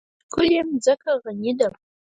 ښکلې مځکه غني ده.